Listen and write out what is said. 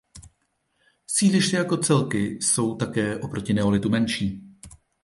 Sídliště jako celky jsou také oproti neolitu menší.